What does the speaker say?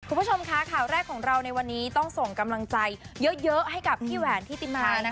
คุณผู้ชมค่ะข่าวแรกของเราในวันนี้ต้องส่งกำลังใจเยอะให้กับพี่แหวนทิติมา